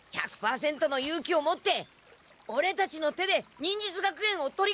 １００％の勇気を持ってオレたちの手で忍術学園を取り返そう！